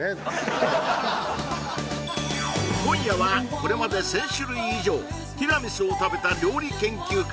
今夜はこれまで１０００種類以上ティラミスを食べた料理研究家